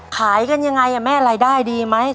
ขายกันยังไงแม่รายได้ดีไหม